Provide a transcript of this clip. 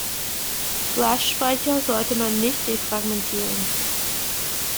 Flashspeicher sollte man nicht defragmentieren.